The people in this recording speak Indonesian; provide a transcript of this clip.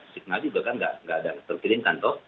signal juga kan tidak terkirimkan